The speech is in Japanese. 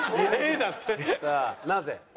さあなぜ？